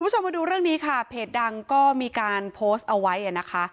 คุณผู้ชมมาดูเรื่องนี้ค่ะเพจดังก็มีการโพสต์เอาไว้อ่ะนะคะ